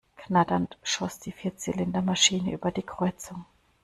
Knatternd schoss die Vierzylinder-Maschine über die Kreuzung.